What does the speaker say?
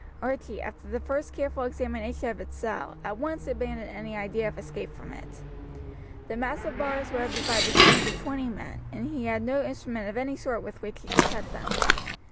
Archie, after the first careful examination of his cell, at once abandoned any idea of escape from it. The massive bars would have defied the strength of twenty men, and he had no instrument of any sort with which he could cut them.